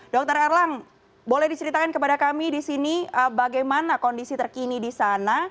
dr erlang boleh diceritakan kepada kami di sini bagaimana kondisi terkini di sana